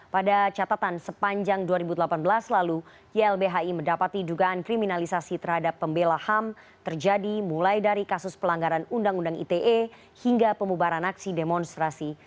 pada catatan sepanjang dua ribu delapan belas lalu ylbhi mendapati dugaan kriminalisasi terhadap pembela ham terjadi mulai dari kasus pelanggaran undang undang ite hingga pemubaran aksi demonstrasi